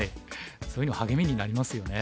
そういうの励みになりますよね。